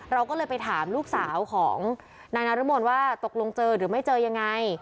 เราก็เลยไปถามลูกสาวของนายนารมนว่าตกลงเจอหรือไม่เจอยังไง